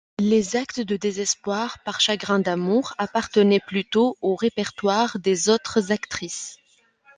Les actes de désespoir par chagrin d'amour appartenaient plutôt au répertoire des autres actrices.